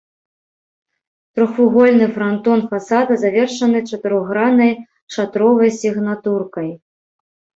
Трохвугольны франтон фасада завершаны чатырохграннай шатровай сігнатуркай.